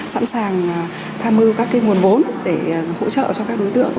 sẵn sàng tham mưu các nguồn vốn để hỗ trợ cho các đối tượng